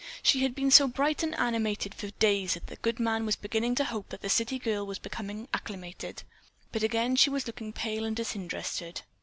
She had been so bright and animated for days that the good man was beginning to hope that the city girl was becoming acclimated, but again she was looking pale and disinterested.